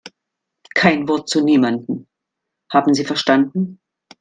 Kein Wort zu niemandem, haben Sie verstanden?